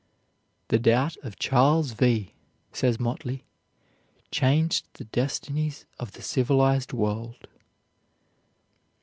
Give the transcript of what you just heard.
"The doubt of Charles V.," says Motley, "changed the destinies of the civilized world."